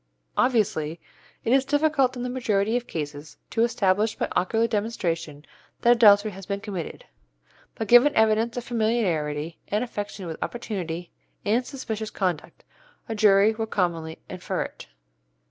Obviously, it is difficult in the majority of cases to establish by ocular demonstration that adultery has been committed. But given evidence of familiarity and affection with opportunity and suspicious conduct, a jury will commonly infer it.